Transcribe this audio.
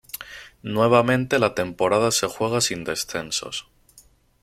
Nuevamente la temporada se juega sin descensos.